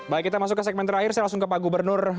baik kita masuk ke segmen terakhir saya langsung ke pak gubernur